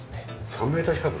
３メーター近く？